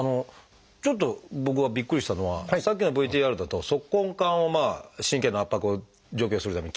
ちょっと僕がびっくりしたのはさっきのＶＴＲだと足根管を神経の圧迫を除去するために切るじゃないですか。